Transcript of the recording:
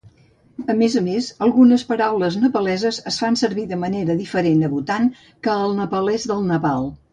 A més a més, algunes paraules nepaleses es fan servir de manera diferent al Bhutan que al nepalès del Nepal.